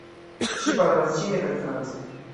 Ŝi parolas ĉine kaj france.